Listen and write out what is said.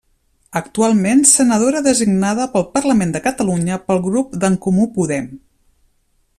Actualment senadora designada pel Parlament de Catalunya pel grup d’En Comú Podem.